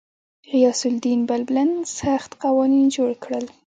غیاث الدین بلبن سخت قوانین جوړ کړل.